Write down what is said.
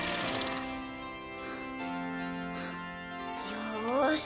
よし！